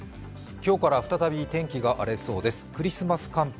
今日から再び天気が荒れそうです、クリスマス寒波。